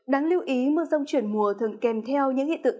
đáng lưu ý mưa rông chuyển mùa thường kèm theo những hiện tượng